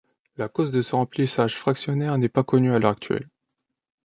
La cause de ce remplissage fractionnaire n'est pas connue à l'heure actuelle.